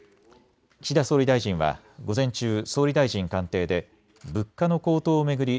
岸田総理大臣は午前中、総理大臣官邸で物価の高騰を巡り